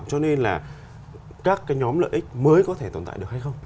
cho nên là các cái nhóm lợi ích mới có thể tồn tại được hay không